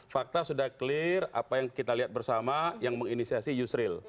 fakta sudah clear apa yang kita lihat bersama yang menginisiasi yusril